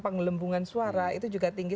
penggelembungan suara itu juga tinggi